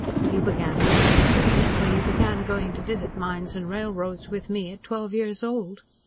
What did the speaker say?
You began to train for this when you began going to visit mines and railroads with me at twelve years old.